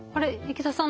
池田さん